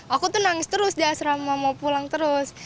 aku tuh nangis terus di asrama mau pulang terus